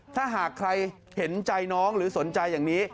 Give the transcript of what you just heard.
ถ้าหากใครเห็นใจน้องหรือสนใจอย่างนี้